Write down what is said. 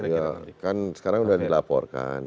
ya kan sekarang sudah dilaporkan